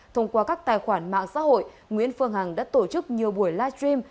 thông qua các tài khoản mạng xã hội nguyễn phương hằng đã tổ chức nhiều buổi live stream